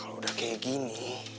kalau udah kayak gini